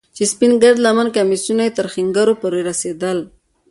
چې سپين گرد لمني کميسونه يې تر ښنگرو پورې رسېدل.